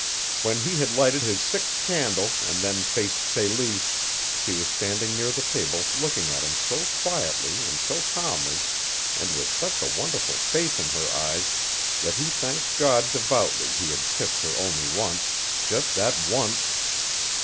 When he had lighted his sixth candle, and then faced Celie, she was standing near the table looking at him so quietly and so calmly and with such a wonderful faith in her eyes that he thanked God devoutly he had kissed her only once just that once!